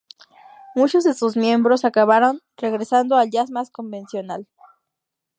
Muchos de sus miembros acabaron regresando al jazz más convencional.